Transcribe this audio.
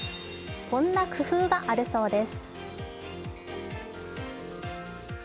こんな工夫があるそうです。